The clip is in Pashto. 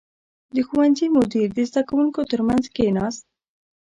• د ښوونځي مدیر د زده کوونکو تر منځ کښېناست.